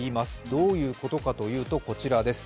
どういうことかというとこちらです。